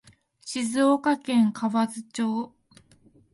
静岡県河津町